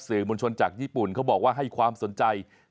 มวลชนจากญี่ปุ่นเขาบอกว่าให้ความสนใจ